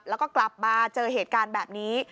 แล้วก็กลับมาเจอเหตุการณ์แบบนี้